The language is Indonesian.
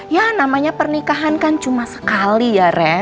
ya namanya pernikahan kan cuma sekali ya re